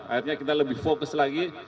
akhirnya kita lebih fokus lagi